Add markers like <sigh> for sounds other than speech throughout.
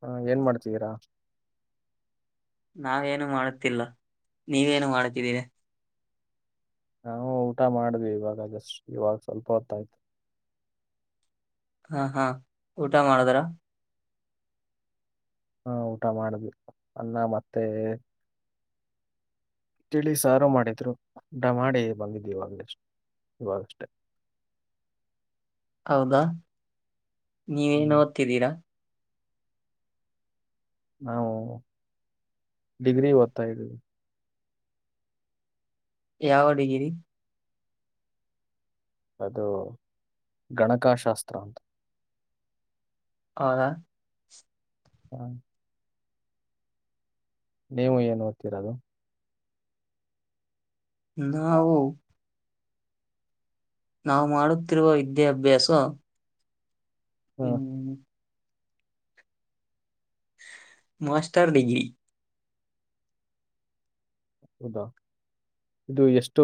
ಹಾ ಏನ್ ಮಾಡ್ತಿದ್ದೀರಾ. ನಾವೇನು ಮಾಡುತ್ತಿಲ್ಲ ನೀವೇನು ಮಾಡತಿದ್ದೀರ. ನಾವು ಊಟ ಮಾಡಿದ್ವಿ ಇವಾಗ ಜಸ್ಟ್ ಇವಾಗ ಸ್ವಲ್ಪ ಹೊತ್ತಾಯ್ತು. ಹಾ ಹಾ ಊಟ ಮಾಡದ್ರ ಹಾ ಊಟ ಮಾಡದಿವಿ ಅನ್ನ ಮತ್ತೆ ತಿಳಿ ಸಾರು ಮಾಡಿದ್ರು ಊಟ ಮಾಡಿ ಬಂದಿದವಿ ಈವಾಗಲೇ ಇವಾಗಷ್ಟೇ ಇಲ್ಲ ಹೌದಾ ನೀವೇನ್ ಹ್ಮ್. ಓದ್ತಿದ್ದೀರಾ. ನಾವು ಡಿಗ್ರಿ ಓದ್ತಾ ಇದ್ದಿವಿ ಯಾವ ಡಿಗ್ರಿ ಅದು ಗಣಕಶಾಸ್ತ್ರ ಅಂತ ಹೌದ ಹಾ ನೀವು ಏನ್ ಓದ್ತ್ತಿರೋದು ನಾವು ನಾವು ಮಾಡುತ್ತಿರುವ ವಿದ್ಯಾಭ್ಯಾಸ ಹಾ ಹ್ಮ್ ಹ್ಮ್ಮ ಮಾಸ್ಟರ್ ಡಿಗ್ರಿ ಹೌದಾ ಇದು ಎಷ್ಟು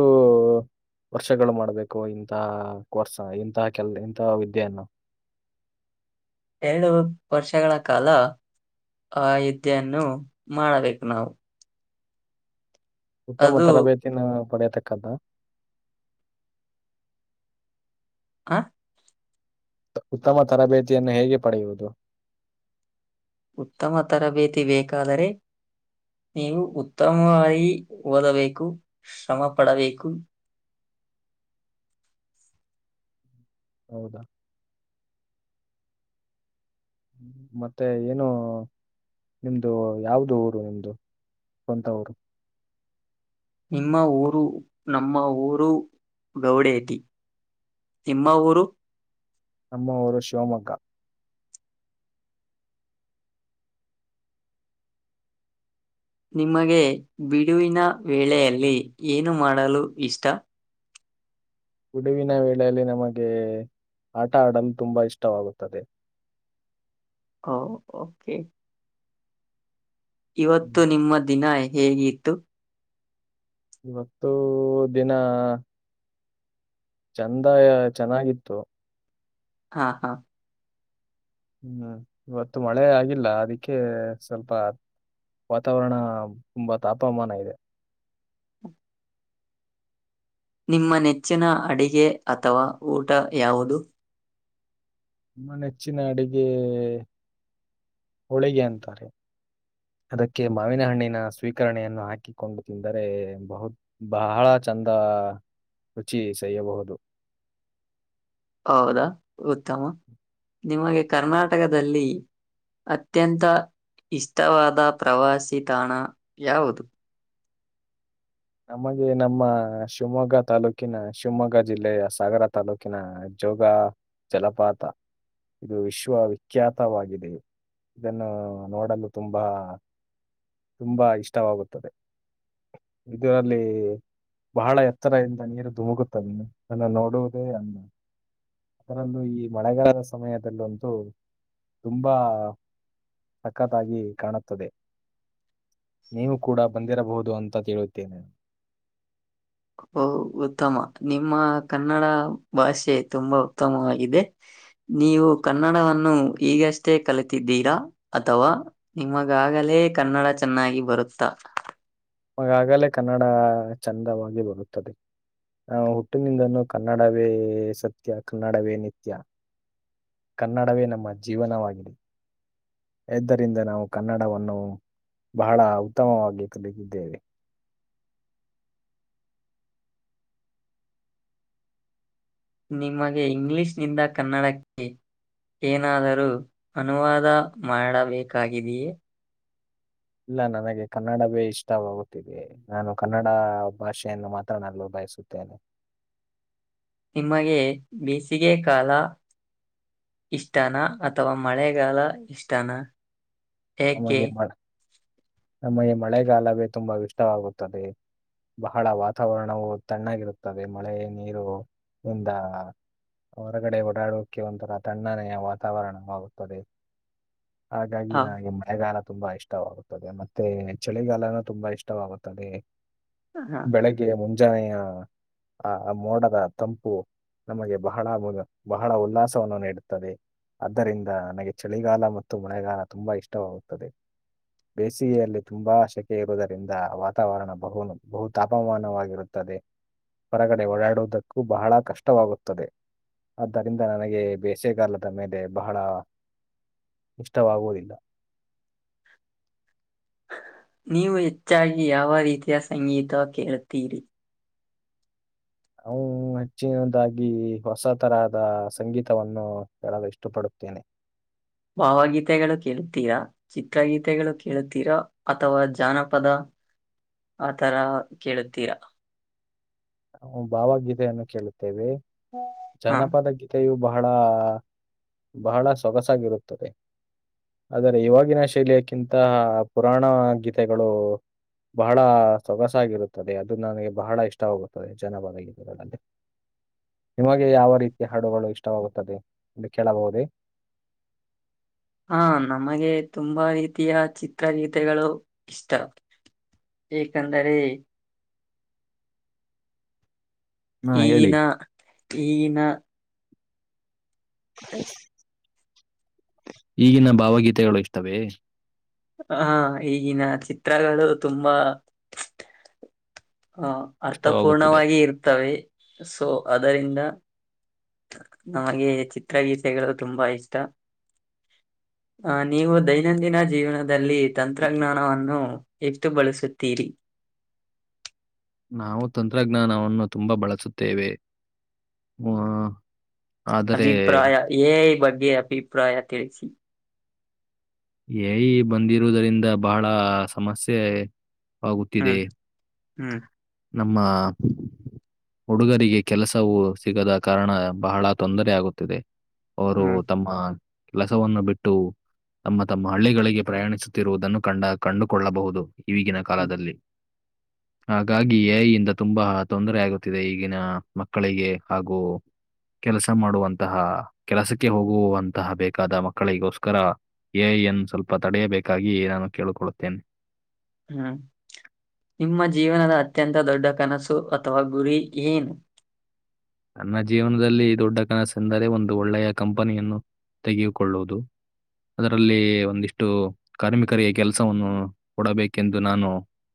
ವರ್ಷಗಳು ಮಾಡ್ಬೇಕು ಇಂತ ಕೋರ್ಸ್ ಇಂತ ಕೆಲ್ ಇಂತ ವಿದ್ಯೆಯನ್ನು ಎರಡು ವರ್ಷಗಳ ಕಾಲ ಆ ಯುದ್ದೆಯನ್ನು ಮಾಡಬೇಕು ನಾವು ಉತ್ತಮ ಅದು ತರಬೇತಿನ ಪಡೆಯತಕ್ಕ್ದ ಆ ಉತ್ತಮ ತರಬೇತಿಯನ್ನು ಹೇಗೆ ಪಡೆಯುವುದು ಉತ್ತಮ ತರಬೇತಿ ಬೇಕಾದರೆ ನೀವು ಉತ್ತಮವಾಗಿ ಓದಬೇಕು ಶ್ರಮ ಪಡಬೇಕು. ಹೌದಾ ಮತ್ತೆ ಏನು ನಿಮ್ದು ಯಾವ್ದು ಊರು ನಿಮ್ದು ಸ್ವಂತ ಊರು ನಿಮ್ಮ ಊರು ನಮ್ಮ ಊರು ಗೌಡೇತಿ ನಿಮ್ಮ ಊರು ನಮ್ಮ ಊರು ಶಿವಮೊಗ್ಗ ನಿಮಗೆ ಬಿಡುವಿನ ವೇಳೆಯಲ್ಲಿ ಏನು ಮಾಡಲು ಇಷ್ಟ ಬಿಡುವಿನ ವೇಳೆಯಲ್ಲಿ ನಮಗೆ ಆಟ ಆಡಲು ತುಂಬಾ ಇಷ್ಟವಾಗುತ್ತದೆ. ಹ ಓಕೆ ಇವತ್ತು ಹ್ಮ್. ನಿಮ್ಮ ದಿನ ಹೇಗಿತ್ತು. ಇವತ್ತು ದಿನ ಚಂದ ಚೆನ್ನಾಗಿತ್ತು. ಹಾ ಹಾ ಹ್ಮ್ ಇವತ್ತು ಮಳೆ ಆಗಿಲ್ಲ ಅದಕ್ಕೆ ಸ್ವಲ್ಪ ವಾತಾವರಣ ತುಂಬಾ ತಾಪಮಾನಗಳು. ಹು ನಿಮ್ಮ ನೆಚ್ಚಿನ ಅಡಿಗೆ ಅಥವಾ ಊಟ ಯಾವುದು. ನಮ್ಮ ನೆಚ್ಚಿನ ಅಡುಗೆ ಹೊಳಿಗೆ ಅಂತಾರೆ. <inaudible> ಅದಕ್ಕೆ ಮಾವಿನ ಹಣ್ಣಿನ ಸ್ವೀಕರಣೆಯನ್ನು ಹಾಕಿಕೊಂಡು ತಿಂದರೆ ಬಹತ್ ಬಹಳ ಚಂದ. ಹ ರುಚಿ ಸವಿಯಬಹುದು. ಹೌದಾ ಉತ್ತಮ್. ನಿಮಗೆ ಕರ್ನಾಟಕದಲ್ಲಿ, ಅತ್ಯಂತ ಇಷ್ಟವಾದ ಪ್ರವಾಸಿ ತಾಣ ಯಾವುದು. ನಮಗೆ ನಮ್ಮ ಶಿವಮೊಗ್ಗ ತಾಲೂಕಿನ ಶಿವಮೊಗ್ಗ ಜಿಲ್ಲೆಯ ಸಾಗರ ತಾಲೂಕಿನ. ಜೋಗ ಜಲಪಾತ. ಇದು ವಿಶ್ವವಿಖ್ಯಾತವಾಗಿದೆ. ಇದನ್ನು ನೋಡಲು ತುಂಬಾ, ತುಂಬಾ ಇಷ್ಟವಾಗುತ್ತದೆ ಇದರಲ್ಲಿ. ಬಹಳ ಎತ್ತರ ದಿಂದ ನೀರು ಧುಮುಗುತ್ತದೆ ಅದನ್ನ ನೋಡುವುದೇ ಅಂದ. ಅದರಲ್ಲೂ ಈ ಮಳೆಗಾಲ ಸಮಯದಲ್ಲೊಂತೂ. ತುಂಬಾ ಸಕ್ಕತ್ತಾಗಿ ಕಾಣುತ್ತದೆ. ನೀವು ಕೂಡ ಬಂದಿರಬಹುದು ಅಂತ ತಿಳಿಯುತ್ತೇನೆ. ಹೋ ಉತ್ತಮ ನಿಮ್ಮ ಕನ್ನಡ ಭಾಷೆ ತುಂಬಾ ಉತ್ತಮವಾಗಿದೆ. ನೀವು ಕನ್ನಡವನ್ನು ಈಗಷ್ಟೇ ಕಲಿತಿದ್ದೀರಾ ಅಥವಾ ನಿಮಗಾಗಿ. ನನಗೆ ಕನ್ನಡ ಚೆನ್ನಾಗಿ ಬರುತ್ತ. ವಾಗಲೇ ಕನ್ನಡ ಚಂದವಾಗಿ ಬರುತ್ತದೆ. ನ ಹುಟ್ಟಿನಿಂದನೂ ಕನ್ನಡವೇ ಸತ್ಯ ಕನ್ನಡವೇ ನಿತ್ಯ. ಕನ್ನಡವೇ ನಮ್ಮ ಜೀವನವಾಗಿದೆ. ಎಂದ್ದರಿಂದ ನಾವು ಕನ್ನಡವನ್ನು ಬಹಳ ಉತ್ತಮವಾಗಿ ಕಲಿದಿದ್ದೇವೆ. ನಿಮಗೆ ಇಂಗ್ಲಿಷ್ನಿಂದ ಕನ್ನಡಕ್ಕೆ. ಏನಾದರೂ ಅನುವಾದ ಮಾಡಬೇಕಾಗಿದೆಯೇ. ಇಲ್ಲ ನನಗೆ ಕನ್ನಡವೇ ಇಷ್ಟವಾಗುತ್ತಿದೆ ನಾನು ಕನ್ನಡ ಭಾಷೆಯನ್ನು ಮಾತನಾಡಲಿಕ್ಕೆ ಬಯಸುತ್ತೇನೆ ನಿಮಗೆ ಬೇಸಿಗೆ ಕಾಲ. ಇಷ್ಟಾನ ಅಥವಾ ಮಳೆಗಾಲ ಇಷ್ಟಾನ. ನಮಗೆ ಮ ನಮಗೆ ಮಳೆಗಾಲವೇ ತುಂಬಾ ಇಷ್ಟವಾಗುತ್ತದೆ. ಬಹಳ ವಾತಾವರಣವು ತಣ್ಣಾಗಿರುತ್ತದೆ ಮಳೆ ನೀರು ಇಂದ. ಹೊರಗಡೆ ಓಡಾಡೋಕ್ಕೆೆ ಒಂಥರ ತಣ್ಣನೆಯ ವಾತಾವರಣವಾಗುತ್ತದೆ. ಹಾಗಾಗಿ ಆ, ನೆ ಹಿಮ್ಮ. ಕಾಲ ತುಂಬಾ ಇಷ್ಟವಾಗುತ್ತದೆ ಮತ್ತೆ ಚಳಿಗಾಲನು ತುಂಬಾ ಇಷ್ಟವಾಗುತ್ತದೆ. ಆ. ಬೆಳಿಗ್ಗೆ ಮುಂಜಾನೆಯ ಆ ಮೋಡಗಳ ತಂಪು, ನಮಗೆ ಬಹಳ ಬೇಗ ಬಹಳ ಉಲ್ಲಾಸವನ್ನು ನೀಡುತ್ತದೆ. ಆದ್ದರಿಂದ ನನಗೆ ಚಳಿಗಾಲ ಮತ್ತು ಮಳೆಗಾಲ ತುಂಬಾ ಇಷ್ಟವಾಗುತ್ತದೆ. ಬೇಸಿಗೆಯಲ್ಲಿ ತುಂಬಾ ಶೆಕೆ ಇರುವುದರಿಂದ ವಾತಾವರಣ ಬಹು ಬಹು ತಾಪಮಾನವಾಗಿರುತ್ತದೆ. ಹೊರಗಡೆ ಓಡಾಡುವುದಕ್ಕೂ ಬಹಳ ಕಷ್ಟವಾಗುತ್ತದೆ. ಆದ್ದರಿಂದ ನನಗೆ ಬೇಸೆಗಾಲದ ಮೇಲೆ ಬಹಳ. ಇಷ್ಟವಾಗುವುದಿಲ್ಲ. ನೀವು ಹೆಚ್ಚಾಗಿ ಯಾವ ರೀತಿಯ ಸಂಗೀತ ಕೇಳ್ತೀರಿ. ಅವನು ಹೆಚ್ಚಿನದಾಗಿ ಹೊಸ ತರಹದ ಸಂಗೀತವನ್ನು ಹೇಳಲು ಇಷ್ಟಪಡುತ್ತೇನೆ. <inaudible> ಭಾವಗೀತೆಗಳು ಕೇಳುತ್ತೀರಾ ಚಿತ್ರಗೀತೆಗಳು ಕೇಳುತ್ತೀರಾ ಅಥವಾ ಜಾನಪದ. ಆತರ ಕೇಳುತ್ತೀರಾ. ಭಾವಗೀತೆಯನ್ನು ಕೇಳುತ್ತೇವೆ ಹಾ ಜಾನಪದ ಗೀತೆಯು ಬಹಳ ಬಹಳ ಸೊಗಸಾಗಿರುತ್ತದೆ. ಆದರೆ ಇವಾಗಿನ ಶೈಲಿಯಕ್ಕಿಂತ ಪುರಾಣ ಗೀತೆಗಳು ಬಹಳ ಸೊಗಸಾಗಿರುತ್ತದೆ ಅದು ನನಗೆ ಬಹಳ ಇಷ್ಟ ಹೋಗುತ್ತೆ ಜನ ಬರಗಗಳಲ್ಲಿ ನಿಮಗೆ ಯಾವ ರೀತಿಯ ಹಾಡುಗಳು ಇಷ್ಟವಾಗೆ ಅ ಕೇಳಬಹುದೇ ಹ ನಮಗೆ ತುಂಬಾ ರೀತಿಯ ಚಿತ್ರರೀತೆಗಳು ಇಷ್ಟ ಏ ಅಂದರೆ ಹಾ ಹೇಳಿ. ಈಗಿನ ಈಗಿನ ಈಗಿನ ಭಾವಗೀತೆಗಳು ಇಷ್ಟವೆೇ ಹ ಈಗಿನ ಚಿತ್ರಗಳು ತುಂಬಾ ಆಹ ಇಷ್ಟವಾಗುತ್ತದೆ. ಅರ್ಥಪೂರ್ಣವಾಗಿ ಇರ್ತವೆ ಸೊ ಅದರಿಂದ ನನಗೆ ಚಿತ್ರಗೀತೆಗಳು ತುಂಬಾ ಇಷ್ಟ ಅ ನೀವು ದೈನಂದಿನ ಜೀವನದಲ್ಲಿ ತಂತ್ರಜ್ಞಾನವನ್ನು ಎತ್ತುು ಬಳಸುತ್ತೀರಿ ನಾವು ತಂತ್ರಜ್ಞಾನವನ್ನು ತುಂಬಾ ಬಳಸುತ್ತೇವೆ ಹ ಅಭಿಪ್ರಾಯ ಬಗ್ಗೆ ಅಭಿಪ್ರಾಯ ತಿಳಿಸಿ ಎಐ ಬಂದಿರುವುದರಿಂದ ಬಹಳ ಸಮಸ್ಯೆ ಆಗುತ್ತಿದೆ ಹ್ಮ್ ಹ್ಮ್ ನಮ್ಮ ಹುಡುಗರಿಗೆ ಕೆಲಸವೂ ಸಿಗದ ಕಾರಣ ಬಹಳ ತೊಂದರೆೆಯಗುತ್ತಿದೆ ಅವರು ಹ್ಮ್ ತಮ್ಮ ಕೆಲಸವನ್ನು ಬಿಟ್ಟು ತಮ್ಮ ತಮ್ಮ ಹಳ್ಳಿಗಳಿಗೆ ಪ್ರಯಾಣಿಸುತ್ತಿರುವುದನ್ನು ಕಂಡ ಕಂಡುಕೊಳ್ಳಬಹುದು ಈಗಿನ ಹ್ಮ್ ಕಾಲದಲ್ಲಿ ಹಾಗಾಗಿ ಐಯಿಂದ ತುಂಬಾ ತೊಂದರೆ ಆಗುತ್ತಿದೆ ಈಗಿನ ಮಕ್ಕಳಿಗೆ ಹಾಗೂ ಕೆಲಸ ಮಾಡುವಂತಹ ಕೆಲಸಕ್ಕೆ ಹೋಗುವಂತಹ ಬೇಕಾದ ಮಕ್ಕಳಿಗೋಸ್ಕರ ಎ ಯನ್ನು ಸ್ವಲ್ಪ ತಡೆಯಬೇಕಾಗಿ ನಾನು ಕೇಳಿಕೊಳ್ಳುತ್ತೇನೆ ಹ್ಮ ನಿಮ್ಮ ಜೀವನದ ಅತ್ಯಂತ ದೊಡ್ಡ ಕನಸು ಅಥವಾ ಗುರಿ ಏನು ನನ್ನ ಜೀವನದಲ್ಲಿ ದೊಡ್ಡ ಕನಸೆಂದರೆ ಒಂದು ಒಳ್ಳೆಯ ಕಂಪನಿಯನ್ನು ತೆಗೆದುಕೊಳ್ಳುವುದು ಅದರಲ್ಲಿ ಒಂದಿಷ್ಟು ಕಾರ್ಮಿಕರಿಗೆ ಕೆಲಸವನ್ನು ಕೊಡಬೇಕೆಂದು ನಾನು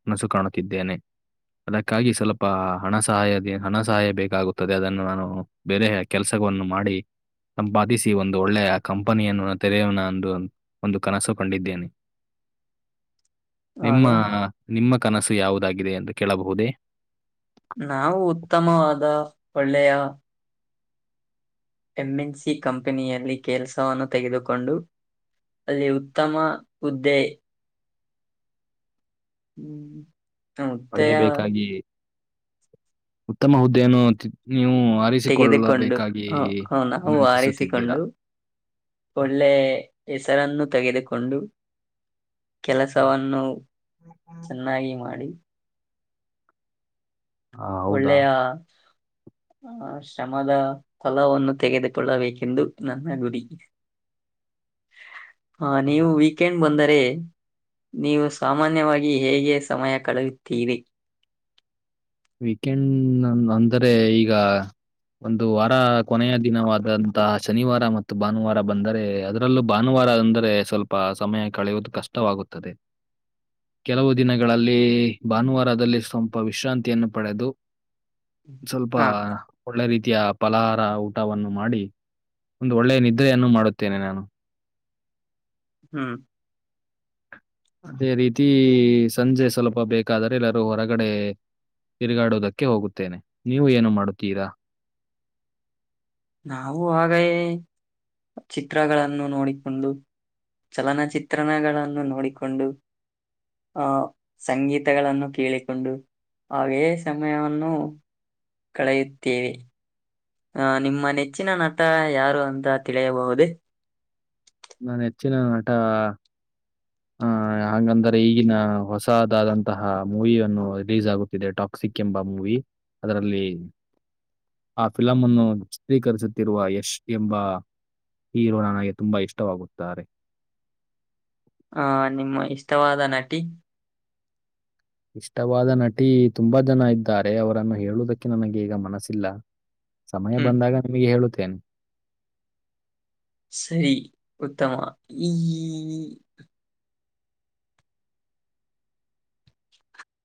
ಕನಸು ಕಾಣುತ್ತಿದ್ದೇನೆ ಅದಕ್ಕಾಗಿ ಸ್ವಲ್ಪ ಹಣ ಸಹಾಯದ ಹಣ ಸಹಾಯ ಬೇಕಾಗುತ್ತ ತ್ತದೆ ಅದನ್ನು ನಾನು ಬೇರೆ ಕೆಲಸವನ್ನು ಮಾಡಿ ಸಂಪಾದಿಸಿ ಒಂದು ಒಳ್ಳೆಯ ಕಂಪನಿಯನ್ನು ತೆರೆಯನಂದು ಒಂದು ಕನಸು ಕಂಡಿದ್ದೇನೆ <inaudible> ನಿಮ್ಮ ಆಗ ನಿಮ್ಮ ಕನಸು ಯಾವುದಾಗಿದೆ ಎಂದು ಕೇಳಬಹುದೇ ನಾವು ಉತ್ತಮವಾದ ಒಳ್ಳೆಯ ಎಂಎನ್ಸಿ ಕಂಪೆನಿಯಲ್ಲಿ ಕೆಲಸವನ್ನು ತೆಗೆದುಕೊಂಡು ಅಲ್ಲಿ ಉತ್ತಮ ಹುದ್ದೆ ಹ್ಮ್ ಮುತ್ತಯ ಪಡೆಯಬೇಕಾಗಿ ಉತ್ತಮ ಹುದ್ದೆ ನು ನೀವು ತೆಗೆದುಕೊಂಡು ಅರಿಸಿಕೊಳ್ಳಬೇಕಾಗಿ ಹ ಹ ನಾವು ವಿನಂತಿಸುತ್ತಿದ್ದೀರಾ ಆರಿಸಿಕೊಂಡು ಒಳ್ಳೆ ಹೆಸರನ್ನು ತೆಗೆದು ಕೊಂಡು ಕೆಲಸವನ್ನು ಚೆನ್ನಾಗಿ ಮಾಡಿ ಆ, ಹೌದಾ ಒಳ್ಳೆಯಾ ಆ ಶ್ರಮದ ಫಲವನ್ನು ತೆಗೆದುಕೊಳ್ಳಬೇಕೆಂದು ನನ್ನ ಗುರಿ ಹ ನೀವು ವೀಕೆಂಡ್ ಬಂದರೆ ನೀವು ಸಾಮಾನ್ಯವಾಗಿ ಹೇಗೆ ಸಮಯ ಕಳೆಯುತ್ತೀರಿ ವೀಕೆಂಡ್ ಅಂದರೆ ಈಗ ಒಂದು ವಾರ ಕೊನೆಯ ದಿನವಾದಂತಹ ಶನಿವಾರ ಮತ್ತು ಭಾನುವಾರ ಬಂದರೆ ಅದರಲ್ಲೂ ಭಾನುವಾರ ರ ಅಂದ್ರೆ ಸ್ವಲ್ಪ ಸಮಯ ಕಳೆಯುವುದು ಕಷ್ಟವಾಗುತ್ತದೆ ಕೆಲವು ದಿನಗಳಲ್ಲಿ ಭಾನುವಾರದಲ್ಲಿ ಸ್ವಲ್ಪ ವಿಶ್ರಾಂತಿ ತಿನುಪಲೆದು ಸ್ವಲ್ಪ ಹಾ ಒಳ್ಳೆ ರೀತಿ. ಯಾ ಪಲಹಾರ ಊಟವನ್ನು ಮಾಡಿ ಒಂದು ಒಳ್ಳೆಯ ನಿದ್ರೆಯನ್ನು ಮಾಡುತ್ತೇನೆ ನಾನು. ಹ್ಮ್. ಅದೇ ರೀತಿ ಸಂಜೆ ಸ್ವಲ್ಪ ಬೇಕಾದ್ರೆ ಎಲ್ಲರೂ ಹೊರಗಡೆ. ತಿರುಗಾಡೋದಕ್ಕೆ ಹೋಗುತ್ತೇನೆ ನೀವು ಏನು ಮಾಡುತ್ತೀರಾ. ನಾವು ಹಾಗಗೇ ಚಿತ್ರಗಳನ್ನು ನೋಡಿಕೊಂಡು. ಚಲನಚಿತ್ರಣಗಳನ್ನು ನೋಡಿಕೊಂಡು. ಆ ಸಂಗೀತಗಳನ್ನು ಕೇಳಿಕೊಂಡು. ಅವೇ ಸಮಯವನ್ನು ಕಳೆಯುತ್ತೇವೆ. ಅಹ ನಿಮ್ಮ ನೆಚ್ಚಿನ ನಟ ಯಾರು ಅಂತ ತಿಳಿಯಬಹುದೇ. ನಾನ್ ಹೆಚ್ಚಿನ ನಟ. ಹ ಹಾಗಂಗಂದ್ರೆ ಈಗಿನ ಹೊಸದಾದಂತಹ ಮೂವಿಯನ್ನು ರಿಲೀಸ್ ಆಗುತ್ತಿದೆ ಟಾಪ್. ಸಿಕ್ಕೆೆಂಬ ಮೂವಿ ಅದರಲ್ಲಿ. ಆ ಫಿಲಂ ಅನ್ನು ಚಿತ್ರೀಕರಿಸುತ್ತಿರುವ ಯಶ್ ಎಂಬ. ಹೀರೋ ನನಗೆ ತುಂಬಾ ಇಷ್ಟವಾಗುತ್ತಾರೆ. ಇಷ್ಟ ವಾದ ನಟಿ. ಇಷ್ಟವಾದ ನಟಿ ತುಂಬಾ ಜನ ಇದ್ದಾರೆ ಅವರನ್ನು ಹೇಳುವುದಕ್ಕೆ ನನಗೆ ಈಗ ಮನಸ್ಸಿಲ್ಲ. ಸಮಯ ಹ್ಮ್ ಬಂದಾಗ ನಿಮಗೆ ಹೇಳುತ್ತೇನೆ. ಸರಿ ಉತ್ತಮ ಈ.